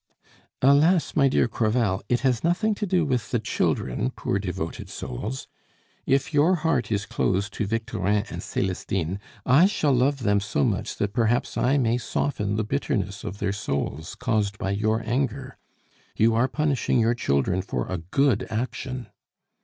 "Alas, my dear Crevel, it has nothing to do with the children, poor devoted souls! If your heart is closed to Victorin and Celestine, I shall love them so much that perhaps I may soften the bitterness of their souls caused by your anger. You are punishing your children for a good action!"